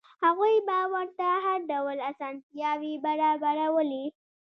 هغوی به ورته هر ډول اسانتیاوې برابرولې.